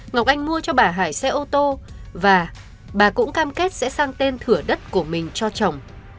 ngọc anh mua cho bà hải xe ô tô và bà cũng cam kết sẽ sang tên thửa đất của mình cho chồng